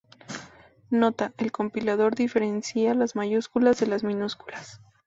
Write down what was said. Nota: el compilador diferencia las mayúsculas de las minúsculas.